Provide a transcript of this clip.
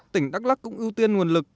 tỉnh đắk lắc cũng ưu tiên nguồn lực